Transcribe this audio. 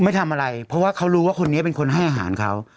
ไม่ทำอะไรเพราะว่าเขารู้ว่าคนนี้เป็นคนให้อาหารเขา